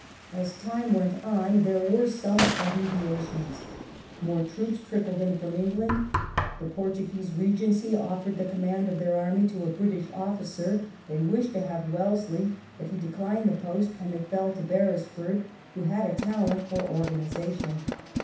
As time went on there were some alleviations. More troops trickled in from England. The Portuguese regency offered the command of their army to a British officer ; they wished to have Wellesley, but he declined the post, and it fell to Beresford, who had a talent for organisation.